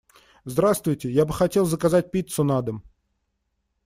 Здравствуйте, я бы хотел заказать пиццу на дом.